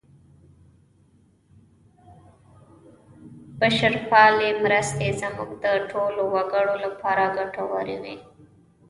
بشرپالې مرستې زموږ د ټولو وګړو لپاره ګټورې وې.